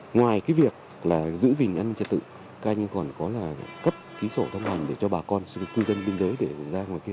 ngoài cái việc là giữ gìn an ninh trật tự các anh còn có là cấp ký sổ thông hành để cho bà con cư dân biên giới để ra ngoài kia